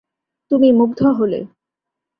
তুমি মুগ্ধ হলে।